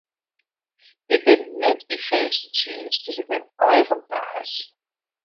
Ik bin net yn fêste tsjinst, dus ik bin eigen baas.